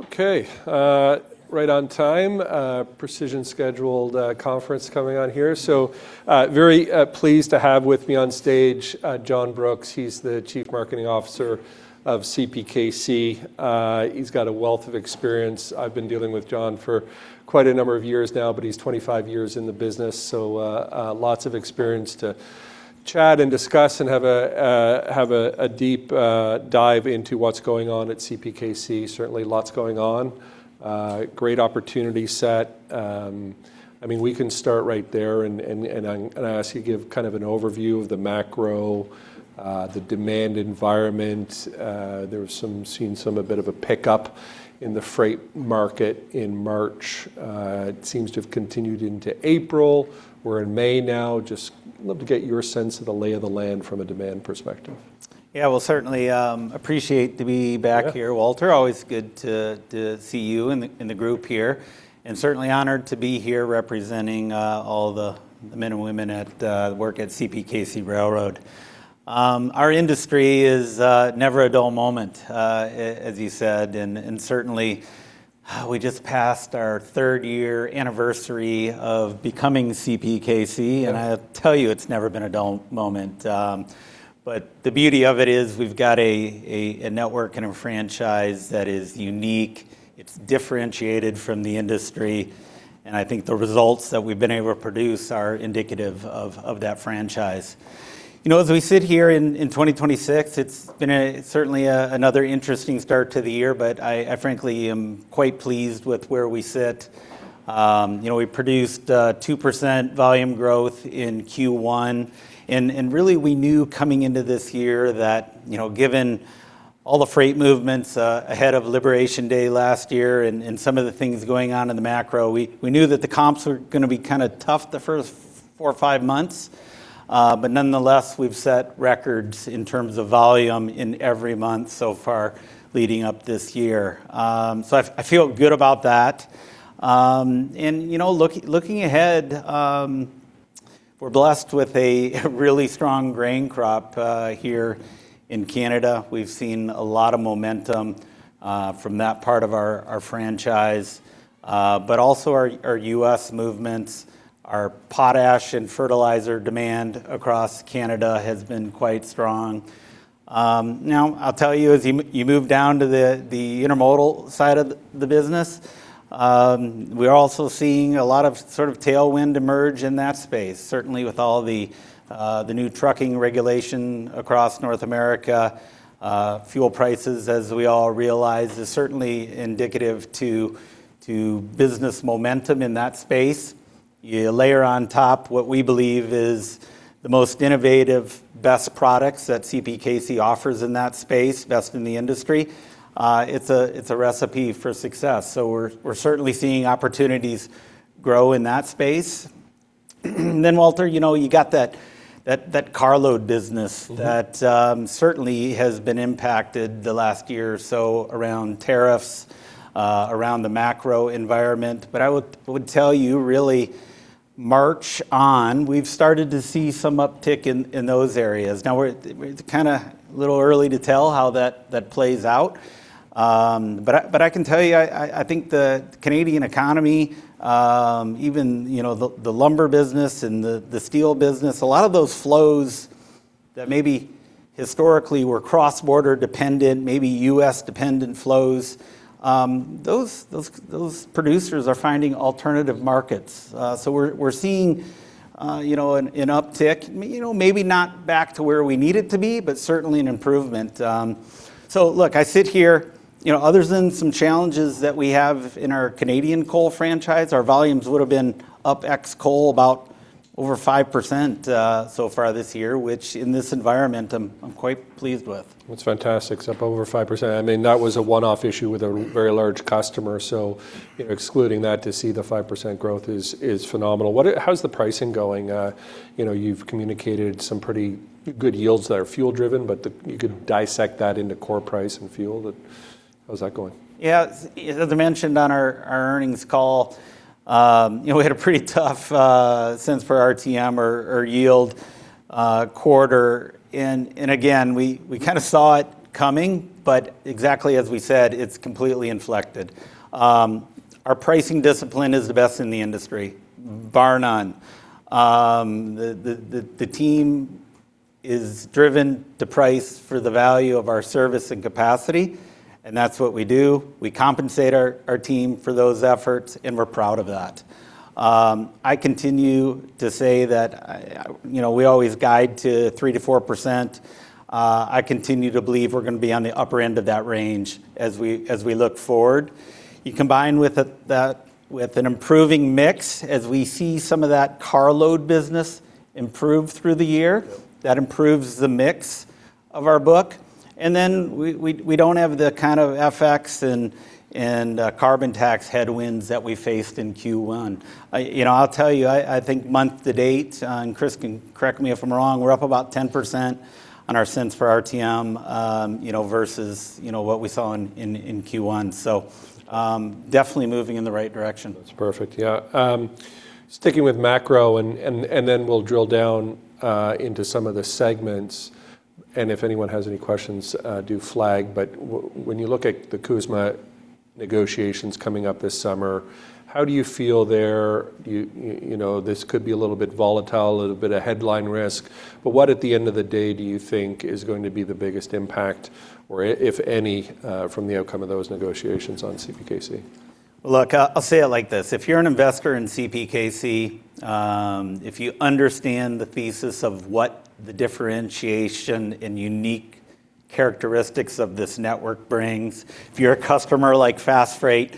Okay. Right on time. Precision scheduled conference coming on here. Very pleased to have with me on stage John Brooks. He's the Chief Marketing Officer of CPKC. He's got a wealth of experience. I've been dealing with John for quite a number of years now, but he's 25 years in the business, so lots of experience to chat and discuss and have a deep dive into what's going on at CPKC. Certainly, lots going on. Great opportunity set. I mean, we can start right there, and I ask you to give kind of an overview of the macro, the demand environment. There's seen some a bit of a pickup in the freight market in March. It seems to have continued into April. We're in May now. Just love to get your sense of the lay of the land from a demand perspective. Yeah. Well, certainly, appreciate to be back here Walter. Always good to see you and the group here, certainly honored to be here representing all the men and women at work at CPKC Railroad. Our industry is never a dull moment, as you said, certainly, we just passed our 3 year anniversary of becoming CPKC. I tell you, it's never been a dull moment. The beauty of it is we've got a network and a franchise that is unique. It's differentiated from the industry, I think the results that we've been able to produce are indicative of that franchise. You know, as we sit here in 2026, it's been a, certainly a, another interesting start to the year, I frankly am quite pleased with where we sit. You know, we produced 2% volume growth in Q1 and really we knew coming into this year that, you know, given all the freight movements ahead of Labor Day last year and some of the things going on in the macro, we knew that the comps were gonna be kinda tough the first four or 5 months. Nonetheless, we've set records in terms of volume in every month so far leading up this year. I feel good about that. You know, looking ahead, we're blessed with a really strong grain crop here in Canada. We've seen a lot of momentum from that part of our franchise. Also, our U.S. movements, our potash and fertilizer demand across Canada has been quite strong. Now I'll tell you, as you move down to the intermodal side of the business, we're also seeing a lot of sorts of tailwind emerge in that space. Certainly, with all the new trucking regulation across North America. Fuel prices, as we all realize, is certainly indicative to business momentum in that space. You layer on top what we believe is the most innovative, best products that CPKC offers in that space, best in the industry. It's a recipe for success; we're certainly seeing opportunities grow in that space. Walter, you know, you got that carload business. That certainly has been impacted the last year or so around tariffs, around the macro environment. I would tell you really March on, we've started to see some uptick in those areas. Now we're at the kinda little early to tell how that plays out. I can tell you, I think the Canadian economy, even, you know, the lumber business and the steel business, a lot of those flows that maybe historically were cross-border dependent, maybe U.S. dependent flows, those producers are finding alternative markets. We're seeing, you know, an uptick, you know, maybe not back to where we need it to be, but certainly an improvement. Look, I sit here, you know, other than some challenges that we have in our Canadian coal franchise, our volumes would've been up ex-coal about over 5% so far this year, which in this environment I'm quite pleased with. That's fantastic. It's up over 5%. I mean, that was a one-off issue with a very large customer. You know, excluding that to see the 5% growth is phenomenal. What is How's the pricing going? You know, you've communicated some pretty good yields that are fuel driven, but you could dissect that into core price and fuel. How's that going? Yeah, as I mentioned on our earnings call, you know, we had a pretty tough cents per RTM or yield quarter. Again, we kind of saw it coming, but exactly as we said, it's completely inflected. Our pricing discipline is the best in the industry, bar none. The team is driven to price for the value of our service and capacity, and that's what we do. We compensate our team for those efforts, and we're proud of that. I continue to say that I, you know, we always guide to 3%-4%. I continue to believe we're going to be on the upper end of that range as we look forward. You combine with it that, with an improving mix as we see some of that carload business improve through the year that improves the mix of our book. We don't have the kind of FX and carbon tax headwinds that we faced in Q1. I will tell you Month to date, and Chris can correct me if I'm wrong, we're up about 10% on our cents per RTM versus what we saw in Q1. Definitely moving in the right direction. That's perfect. Yeah. Sticking with macro and then we'll drill down into some of the segments, and if anyone has any questions, do flag. When you look at the CUSMA negotiations coming up this summer, how do you feel there? You know, this could be a little bit volatile, a little bit of headline risk. What, at the end of the day, do you think is going to be the biggest impact, or if any, from the outcome of those negotiations on CPKC? Look, I'll say it like this. If you're an investor in CPKC, if you understand the thesis of what the differentiation and unique characteristics of this network brings, if you're a customer like Fastfrate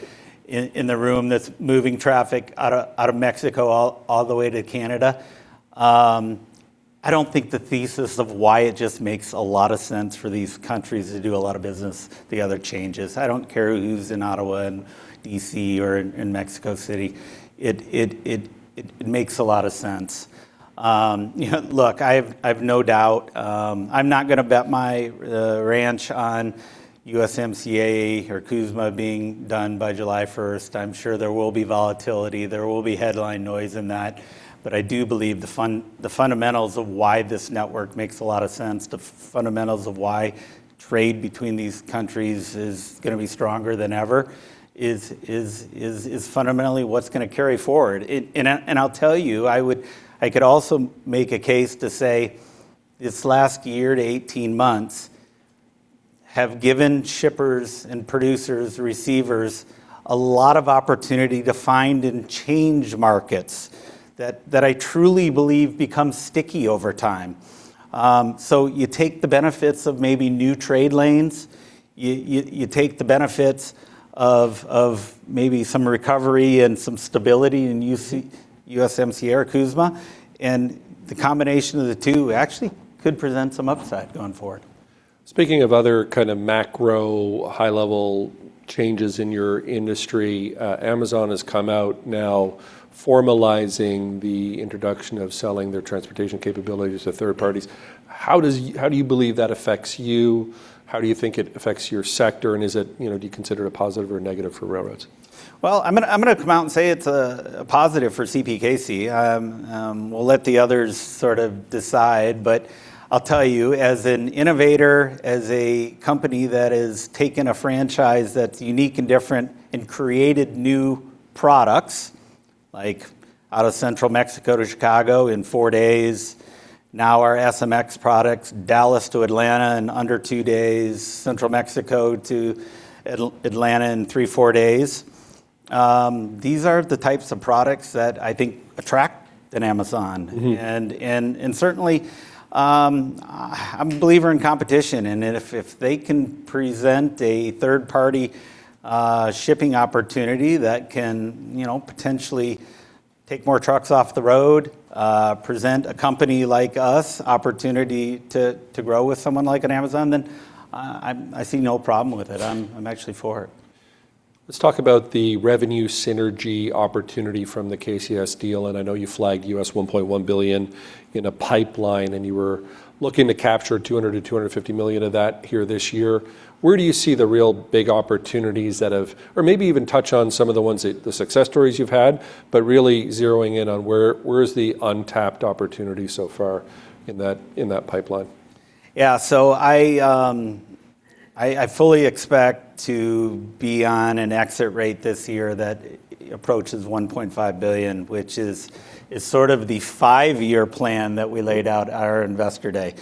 in the room that's moving traffic out of Mexico all the way to Canada, I don't think the thesis of why it just makes a lot of sense for these countries to do a lot of business, the other changes. I don't care who's in Ottawa and D.C. or in Mexico City, it makes a lot of sense. You know, look, I've no doubt I'm not gonna bet my ranch on USMCA or CUSMA being done by July 1st. I'm sure there will be volatility, there will be headline noise in that. I do believe the fundamentals of why this network makes a lot of sense, the fundamentals of why trade between these countries is gonna be stronger than ever is fundamentally what's gonna carry forward. I'll tell you, I could also make a case to say this last year to 18 months have given shippers and producers, receivers, a lot of opportunity to find and change markets that I truly believe become sticky over time. You take the benefits of maybe new trade lanes, you take the benefits of maybe some recovery and some stability in USMCA or CUSMA, and the combination of the two actually could present some upside going forward. Speaking of other kind of macro high level changes in your industry, Amazon has come out now formalizing the introduction of selling their transportation capabilities to third parties. How does, how do you believe that affects you? How do you think it affects your sector? And is it, you know, do you consider it a positive or a negative for railroads? Well, I'm gonna come out and say it's a positive for CPKC. We'll let the others sort of decide. I'll tell you, as an innovator, as a company that has taken a franchise that's unique and different and created new products, like out of central Mexico to Chicago in 4 days. Now our SMX products, Dallas to Atlanta in under 2 days. Central Mexico to Atlanta in 3 day, 4 days. These are the types of products that I think attract an Amazon. Certainly, I'm a believer in competition, and if they can present a third-party shipping opportunity that can, you know, potentially take more trucks off the road, present a company like us opportunity to grow with someone like an Amazon, then I see no problem with it. I'm actually for it. Let's talk about the revenue synergy opportunity from the KCS deal. I know you flagged $1.1 billion in a pipeline, and you were looking to capture $200 million-$250 million of that here this year. Where do you see the real big opportunities? Or maybe even touch on some of the ones that, the success stories you've had, but really zeroing in on where is the untapped opportunity so far in that pipeline? Yeah. I fully expect to be on an exit rate this year that approaches 1.5 billion, which is sort of the 5-year plan that we laid out at our Investor Day.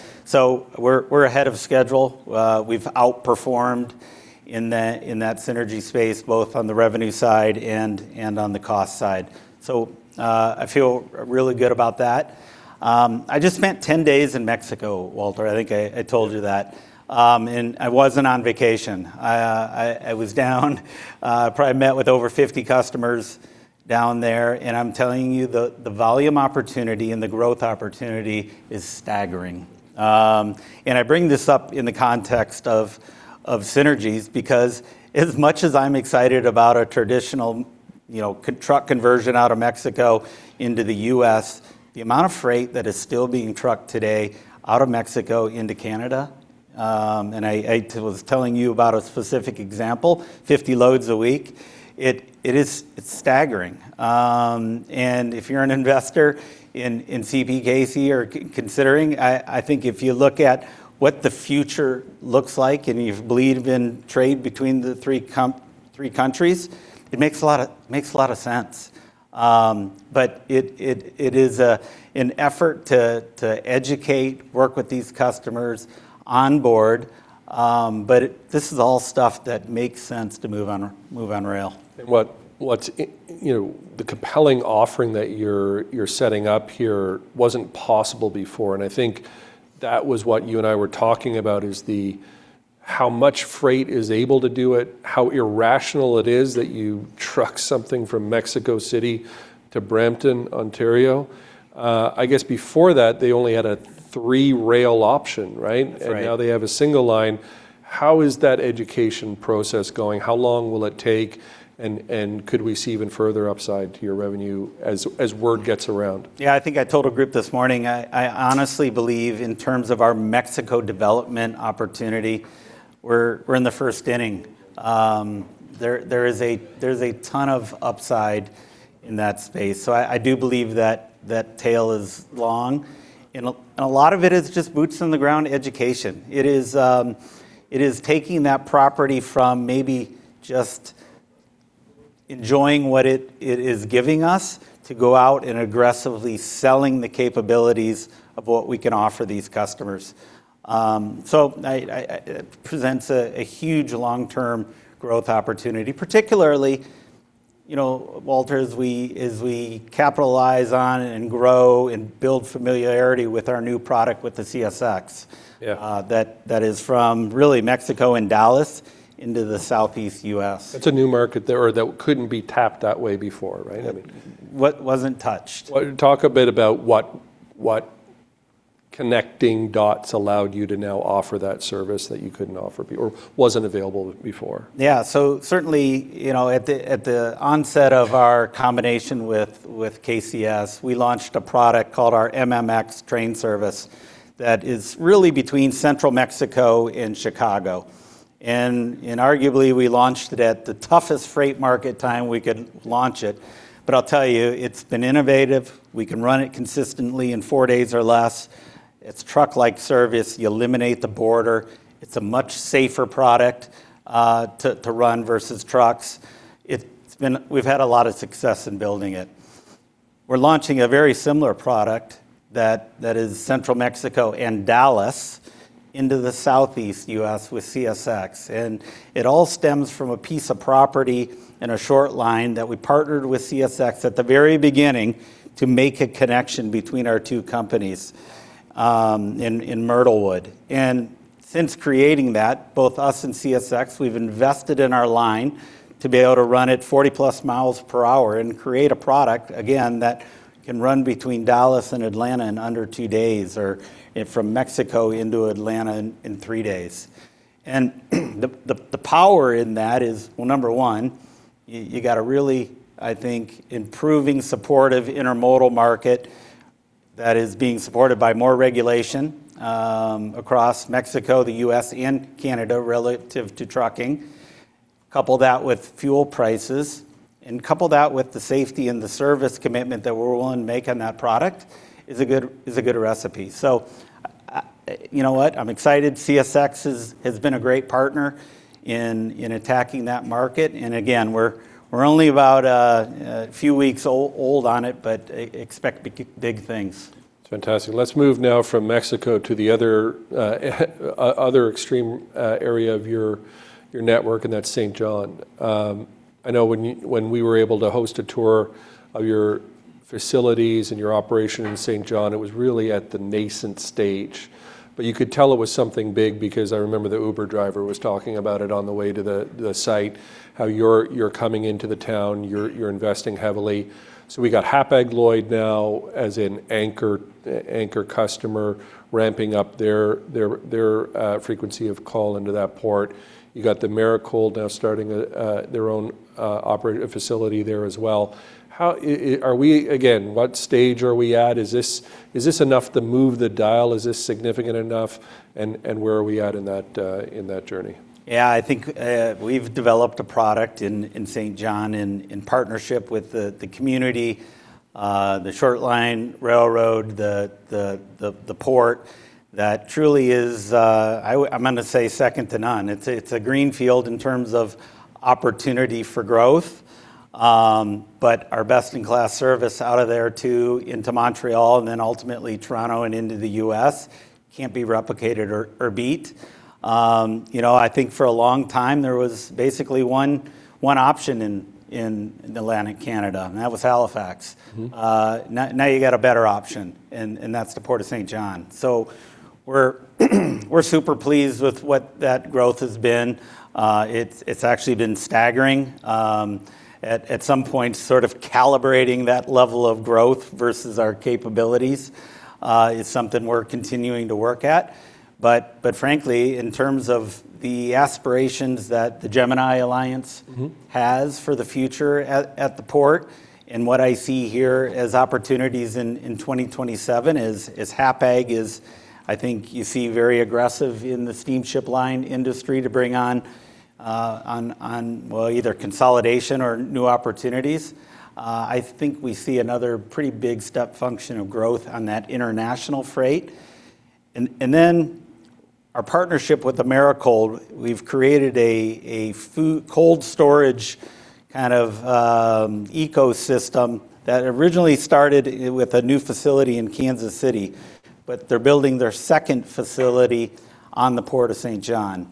We're ahead of schedule. We've outperformed in that synergy space, both on the revenue side and on the cost side. I feel really good about that. I just spent 10 days in Mexico, Walter, I think I told you that. I wasn't on vacation. I was down probably met with over 50 customers down there, I'm telling you, the volume opportunity and the growth opportunity is staggering. I bring this up in the context of synergies because as much as I'm excited about a traditional, you know, truck conversion out of Mexico into the U.S., the amount of freight that is still being trucked today out of Mexico into Canada, and I was telling you about a specific example, 50 loads a week, it is, it's staggering. If you're an investor in CPKC or considering, I think if you look at what the future looks like and you believe in trade between the three countries, it makes a lot of, makes a lot of sense. It is an effort to educate, work with these customers onboard. This is all stuff that makes sense to move on, move on rail. What's, you know, the compelling offering that you're setting up here wasn't possible before, and I think that was what you and I were talking about, is the how much freight is able to do it, how irrational it is that you truck something from Mexico City to Brampton, Ontario. I guess before that, they only had a three rail option, right? Right. Now they have a single line. How is that education process going? How long will it take, and could we see even further upside to your revenue as word gets around? Yeah, I think I told a group this morning, I honestly believe in terms of our Mexico development opportunity, we're in the first inning. There is a, there's a ton of upside in that space. I do believe that that tail is long. A lot of it is just boots on the ground education. It is taking that property from maybe just enjoying what it is giving us to go out and aggressively selling the capabilities of what we can offer these customers. It presents a huge long-term growth opportunity. Particularly, you know, Walter, as we capitalize on and grow and build familiarity with our new product with the CSX. Yeah That is from really Mexico and Dallas into the southeast U.S. That's a new market there or that couldn't be tapped that way before, right? I mean. Wasn't touched. Why don't you talk a bit about what connecting dots allowed you to now offer that service that you couldn't offer or wasn't available before? Yeah. Certainly, you know, at the onset of our combination with KCS, we launched a product called our MMX Train Service that is really between central Mexico and Chicago and, arguably we launched it at the toughest freight market time we could launch it. I'll tell you, it's been innovative. We can run it consistently in 4 days or less. It's truck-like service. You eliminate the border. It's a much safer product to run versus trucks. We've had a lot of success in building it. We're launching a very similar product that is central Mexico and Dallas into the southeast U.S. with CSX, and it all stems from a piece of property and a short line that we partnered with CSX at the very beginning to make a connection between our two companies in Myrtlewood. Since creating that, both us and CSX, we've invested in our line to be able to run it 40+ miles per hour and create a product, again, that can run between Dallas and Atlanta in under 2 days, or from Mexico into Atlanta in 3 days. The power in that is, well, number one, you got a really, I think, improving supportive intermodal market that is being supported by more regulation across Mexico, the U.S., and Canada relative to trucking. Couple that with fuel prices, couple that with the safety and the service commitment that we're willing to make on that product is a good recipe. You know what? I'm excited. CSX has been a great partner in attacking that market. Again, we're only about a few weeks old on it. Expect big things. It's fantastic. Let's move now from Mexico to the other extreme area of your network, and that's Saint John. I know when we were able to host a tour of your facilities and your operation in Saint John, it was really at the nascent stage. You could tell it was something big because I remember the Uber driver was talking about it on the way to the site, how you're coming into the town. You're investing heavily. We got Hapag-Lloyd now as an anchor customer ramping up their frequency of call into that port. You got Americold now starting their own facility there as well. How are we Again, what stage are we at? Is this enough to move the dial? Is this significant enough, and where are we at in that in that journey? I think we've developed a product in Saint John in partnership with the community, the short line railroad, the port that truly is, I'm gonna say second to none. It's a, it's a greenfield in terms of opportunity for growth. Our best-in-class service out of there, too, into Montreal and then ultimately Toronto and into the U.S. can't be replicated or beat. You know, I think for a long time there was basically one option in Atlantic Canada, and that was Halifax. Now you got a better option, and that's the Port of Saint John. we're super pleased with what that growth has been. it's actually been staggering. At some point, sort of calibrating that level of growth versus our capabilities, is something we're continuing to work at. But frankly, in terms of the aspirations that the Gemini Alliance has for the future at the port, and what I see here as opportunities in 2027 is Hapag is, I think you see, very aggressive in the steamship line industry to bring on, well, either consolidation or new opportunities. I think we see another pretty big step function of growth on that international freight. Then our partnership with Americold, we've created a food cold storage kind of ecosystem that originally started with a new facility in Kansas City, but they're building their second facility on the Port of Saint John.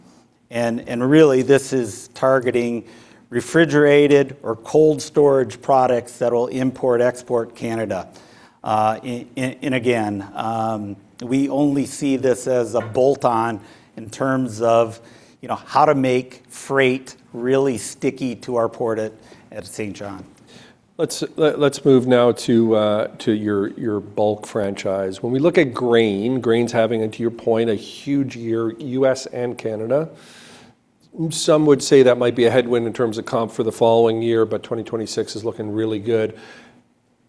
Really this is targeting refrigerated or cold storage products that'll import-export Canada. Again, we only see this as a bolt-on in terms of, you know, how to make freight really sticky to our port at Saint John. Let's move now to your bulk franchise. When we look at grain's having, and to your point, a huge year, U.S. and Canada. Some would say that might be a headwind in terms of comp for the following year. 2026 is looking really good.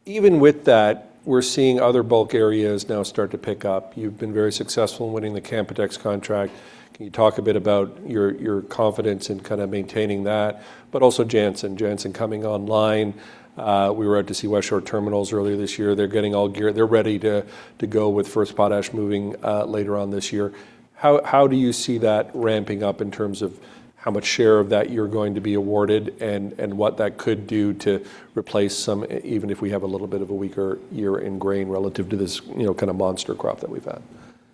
Even with that, we're seeing other bulk areas now start to pick up. You've been very successful in winning the Canpotex contract. Can you talk a bit about your confidence in kind of maintaining that, but also Jansen? Jansen coming online. We were out to see Westshore Terminals earlier this year. They're ready to go with first potash moving later on this year. How do you see that ramping up in terms of how much share of that you're going to be awarded and what that could do to replace some, even if we have a little bit of a weaker year in grain relative to this, you know, kind of monster crop that we've had?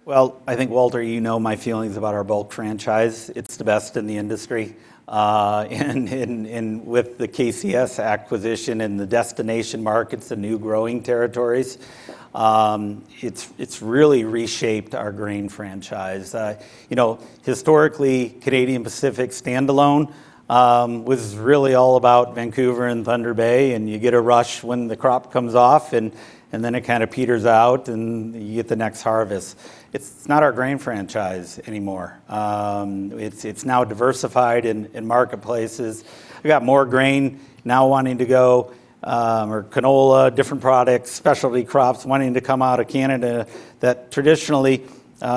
Well, I think, Walter, you know my feelings about our bulk franchise. It's the best in the industry. With the KCS acquisition and the destination markets, the new growing territories, it's really reshaped our grain franchise. You know, historically, Canadian Pacific standalone was really all about Vancouver and Thunder Bay, and you get a rush when the crop comes off, and then it kind of peters out, and you get the next harvest. It's not our grain franchise anymore. It's now diversified in marketplaces. We got more grain now wanting to go, or canola, different products, specialty crops wanting to come out of Canada that traditionally,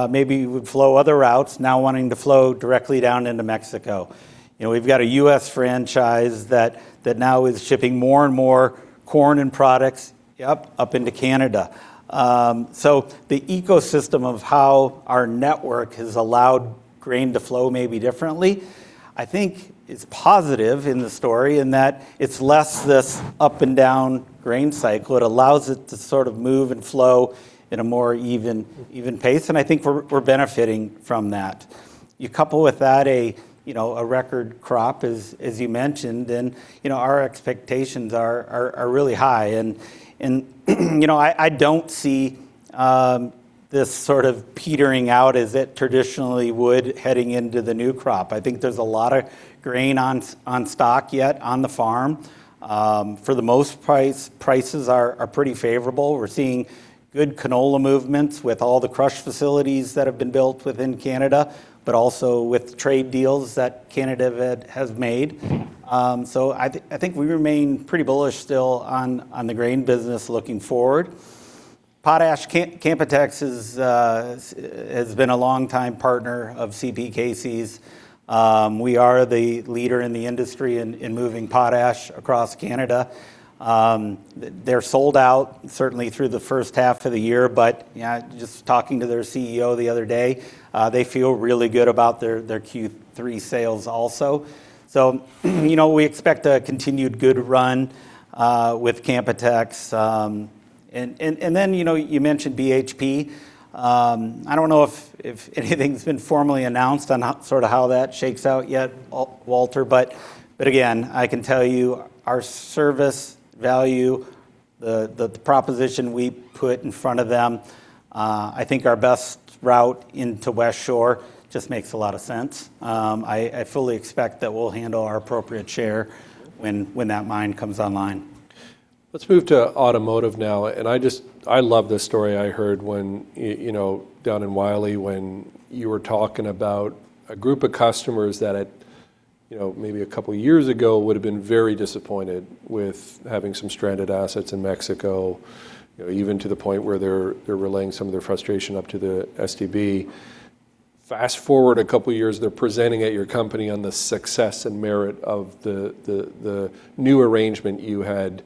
maybe would flow other routes now wanting to flow directly down into Mexico. You know, we've got a U.S. franchise that now is shipping more and more corn and products up into Canada. The ecosystem of how our network has allowed grain to flow maybe differently I think is positive in the story in that it's less this up and down grain cycle. It allows it to sort of move and flow in a more even pace, and I think we're benefiting from that. You couple with that, you know, a record crop as you mentioned, our expectations are really high. And you know, I don't see this sort of petering out as it traditionally would heading into the new crop. I think there's a lot of grain on stock yet on the farm. For the most price, prices are pretty favorable. We're seeing good canola movements with all the crush facilities that have been built within Canada, but also with trade deals that Canada has made. I think we remain pretty bullish still on the grain business looking forward. Potash Canpotex is has been a longtime partner of CPKC's. We are the leader in the industry in moving potash across Canada. They're sold out certainly through the first half of the year, you know, just talking to their CEO the other day, they feel really good about their Q3 sales also. You know, we expect a continued good run with Canpotex. And then, you know, you mentioned BHP. I don't know if anything's been formally announced on sort of how that shakes out yet, Walter, again, I can tell you our service, value, the proposition we put in front of them, I think our best route into Westshore just makes a lot of sense. I fully expect that we'll handle our appropriate share when that mine comes online. Let's move to automotive now. I love the story I heard when you know, down in Wylie when you were talking about a group of customers that had, you know, maybe a couple of years ago would've been very disappointed with having some stranded assets in Mexico, you know, even to the point where they're relaying some of their frustration up to the STB. Fast-forward to a couple of years, they're presenting at your company on the success and merit of the new arrangement you had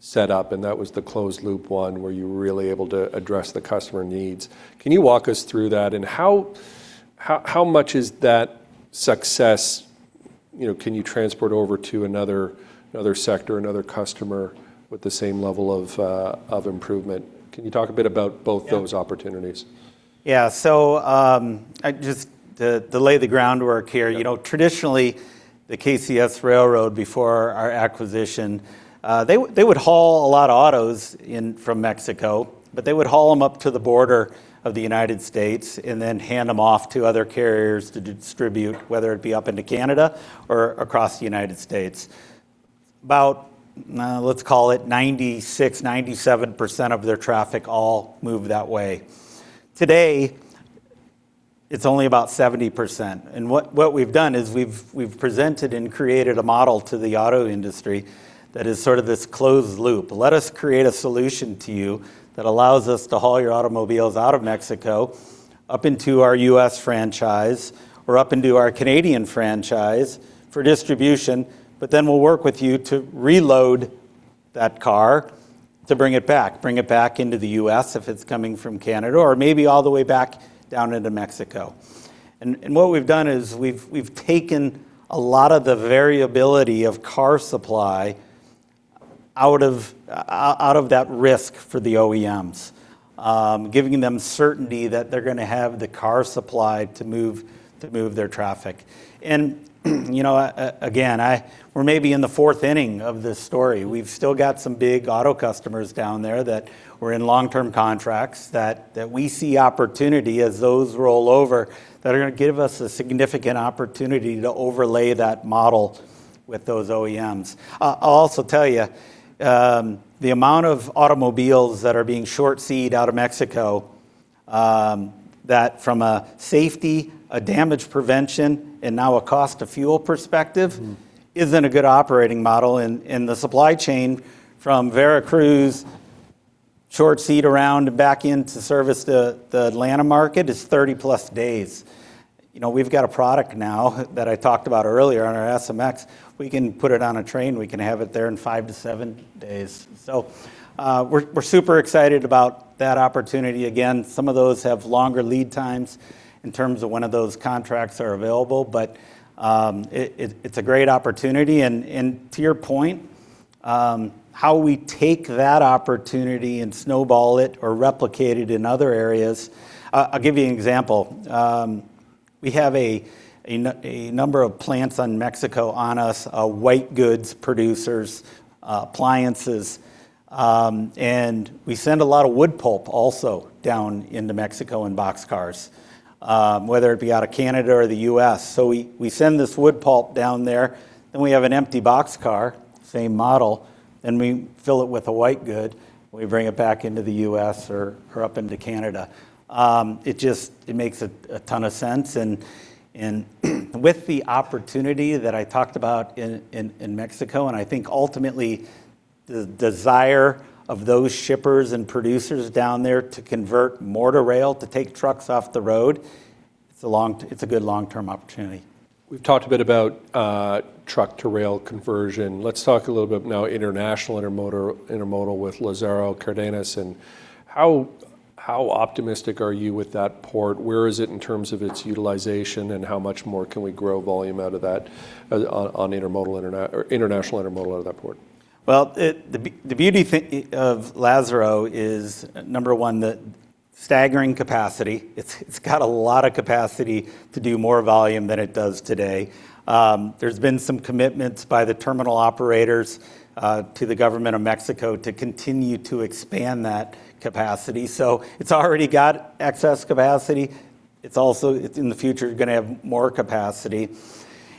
set up, and that was the closed loop one where you were really able to address the customer needs. Can you walk us through that? How much is that success, you know, can you transport over to another sector, another customer with the same level of improvement? Can you talk a bit about both those opportunities? Yeah, I just to lay the groundwork here you know, traditionally, the KCS Railroad before our acquisition, they would haul a lot of autos in from Mexico, but they would haul them up to the border of the United States and then hand them off to other carriers to distribute, whether it be up into Canada or across the United States. About, let's call it 96%, 97% of their traffic all moved that way. Today, it's only about 70%, and what we've done is we've presented and created a model to the auto industry that is sort of this closed loop. Let us create a solution to you that allows us to haul your automobiles out of Mexico up into our U.S. franchise or up into our Canadian franchise for distribution, but then we'll work with you to reload that car to bring it back into the U.S. if it's coming from Canada or maybe all the way back down into Mexico. What we've done is we've taken a lot of the variability of car supply out of that risk for the OEMs, giving them certainty that they're gonna have the car supply to move their traffic. You know, again, we're maybe in the fourth inning of this story. We've still got some big auto customers down there that were in long-term contracts that we see opportunity as those roll over that are gonna give us a significant opportunity to overlay that model with those OEMs. I'll also tell you, the amount of automobiles that are being short sea out of Mexico, that from a safety, a damage prevention, and now a cost of fuel perspective. Isn't a good operating model in the supply chain from Veracruz short sea around back into service the Atlanta market is 30+ days. You know, we've got a product now that I talked about earlier on our SMX. We can put it on a train. We can have it there in 5 to 7 days. We're super excited about that opportunity. Again, some of those have longer lead times in terms of when of those contracts are available, but it's a great opportunity. To your point, how we take that opportunity and snowball it or replicate it in other areas. I'll give you an example. We have a number of plants in Mexico, in the U.S., white goods producers, appliances, we send a lot of wood pulp also down into Mexico in boxcars, whether it be out of Canada or the U.S. We send this wood pulp down there, then we have an empty boxcar, same model, and we fill it with a white good when we bring it back into the U.S. or up into Canada. It just makes a ton of sense. With the opportunity that I talked about in Mexico, I think ultimately the desire of those shippers and producers down there to convert more to rail; to take trucks off the road, it's a good long-term opportunity. We've talked a bit about truck-to-rail conversion. Let's talk a little bit now international intermodal with Lázaro Cárdenas. How optimistic are you with that port? Where is it in terms of its utilization? How much more can we grow volume out of that on intermodal international intermodal out of that port? Well, the beauty of Lazaro is, number one, the staggering capacity. It's got a lot of capacity to do more volume than it does today. There's been some commitments by the terminal operators to the government of Mexico to continue to expand that capacity. It's already got excess capacity. It's also, in the future, going to have more capacity.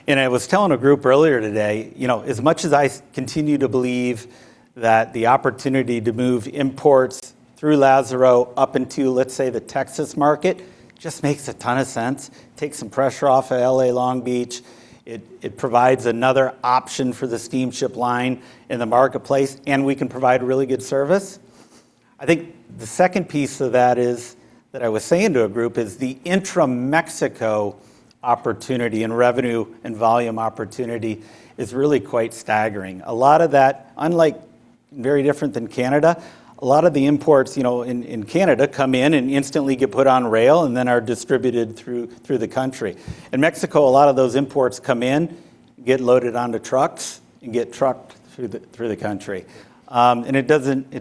I was telling a group earlier today, you know, as much as I continue to believe that the opportunity to move imports through Lazaro up into, let's say, the Texas market just makes a ton of sense. Takes some pressure off of L.A. Long Beach. It provides another option for the steamship line in the marketplace, and we can provide really good service. I think the second piece of that is, that I was saying to a group, is the intra-Mexico opportunity and revenue and volume opportunity is really quite staggering. A lot of that, unlike, very different than Canada, a lot of the imports, you know, in Canada come in and instantly get put on rail and then are distributed through the country. In Mexico, a lot of those imports come in, get loaded onto trucks, and get trucked through the country. It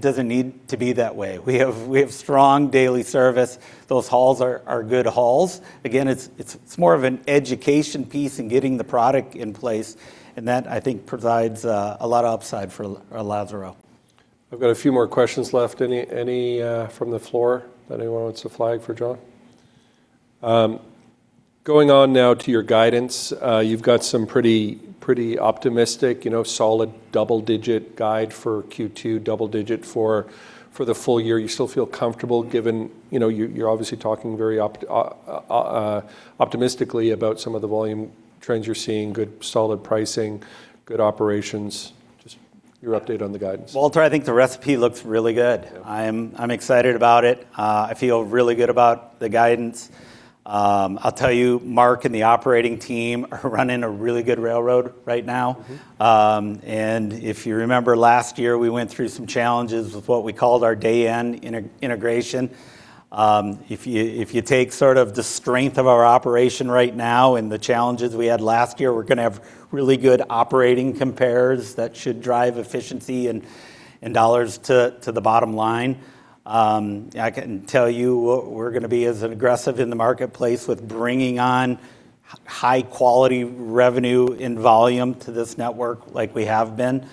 doesn't need to be that way. We have strong daily service. Those hauls are good hauls. Again, it's more of an education piece in getting the product in place, that, I think, provides a lot of upside for Lazaro. I've got a few more questions left. Any from the floor that anyone wants to flag for John? Going on now to your guidance, you've got some pretty optimistic, you know, solid double-digit guide for Q2, double digit for the full year. You still feel comfortable given You know, you're obviously talking very optimistically about some of the volume trends you're seeing, good solid pricing, good operations. Just your update on the guidance. Walter, I think the recipe looks really good. I'm excited about it. I feel really good about the guidance. I'll tell you, Mark and the operating team are running a really good railroad right now. If you remember last year, we went through some challenges with what we called our Day One integration. If you take sort of the strength of our operation right now and the challenges we had last year, we're gonna have really good operating compares that should drive efficiency and dollars to the bottom line. I can tell you we're gonna be as aggressive in the marketplace with bringing on high-quality revenue and volume to this network like we have been.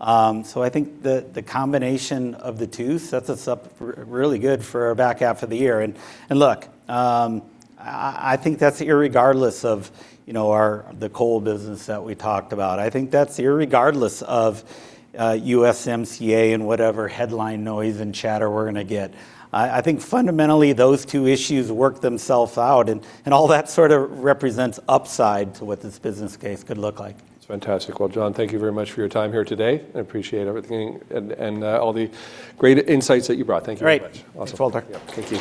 I think the combination of the two sets us up really good for our back half of the year. Look, I think that's irregardless of, you know, our, the coal business that we talked about. I think that's irregardless of USMCA and whatever headline noise and chatter we're gonna get. I think fundamentally, those two issues work themself out, and all that sort of represents upside to what this business case could look like. It's fantastic. Well, John, thank you very much for your time here today. I appreciate everything and all the great insights that you brought. Thank you very much. Great. Awesome. Thanks, Walter. Yeah. Thank you.